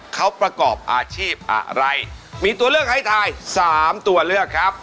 เขาประกอบอาชีพอะไรมีตัวเลือกให้ทายสามตัวเลือกครับ